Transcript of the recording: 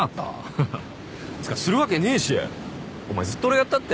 ははっつうかするわけねえしお前ずっと俺がやったって？